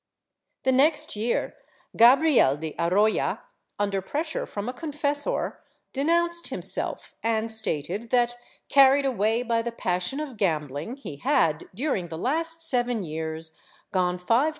The next year Gabriel de Arroya, under pressure from a confessor, denounced himself and stated that, carried away by the passion of gambling, he had, during the last seven years, gone five times * Archive hist, nacional.